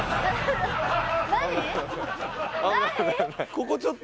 ここちょっと。